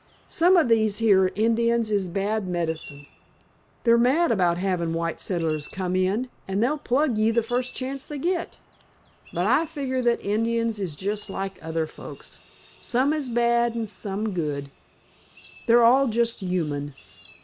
Some o' these here Indians is bad medicine. They're mad about havin' white settlers come in, an' they'll plug ye the fust chance they get. But I figger that Indians is jest like other folks. Some is bad an' some good—they're all just human.